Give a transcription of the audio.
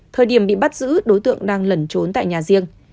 thời điểm bị bắt giữ đối tượng đang lẩn trốn tại nhà riêng